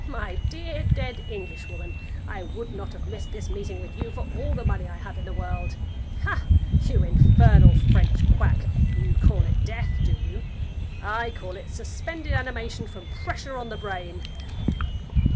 "My dear, dead Englishwoman, I would not have missed this meeting with you for all the money I have in the world. Ha! you infernal French Quack, you call it death, do you? I call it suspended animation from pressure on the brain!"